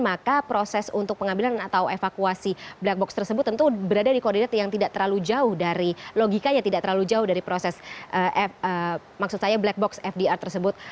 maka proses untuk pengambilan atau evakuasi black box tersebut tentu berada di kondisi yang tidak terlalu jauh dari proses maksud saya black box fdr tersebut